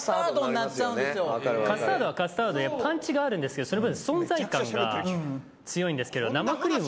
カスタードはカスタードでパンチがあるんですけどその分存在感が強いんですけど。